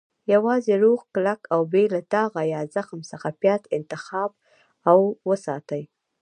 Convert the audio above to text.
- یوازې روغ، کلک، او بې له داغه یا زخم څخه پیاز انتخاب او وساتئ.